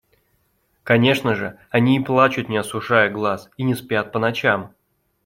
Конечно же, они и плачут не осушая глаз, и не спят по ночам.